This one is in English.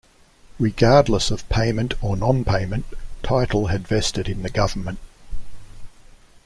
Regardless of payment or nonpayment, title had vested in the government.